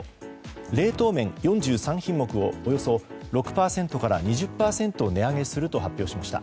冷凍麺４３品目をおよそ６％から２０％値上げすると発表しました。